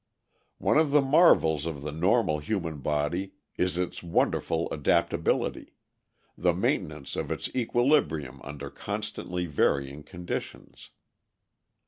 "One of the marvels of the normal human body is its wonderful adaptability the maintenance of its equilibrium under constantly varying conditions.